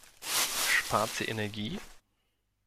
Spart sie Energie?